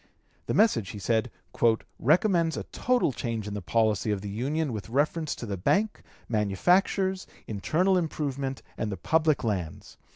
The message, he said, "recommends a total change in the policy of the Union with reference to the Bank, manufactures, internal improvement, and the public lands.